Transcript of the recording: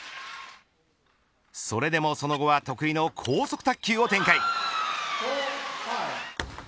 それでもその後は得意の高速卓球を展開。